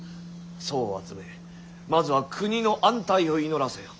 僧を集めまずは国の安泰を祈らせよ。